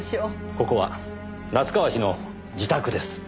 ここは夏河氏の自宅です。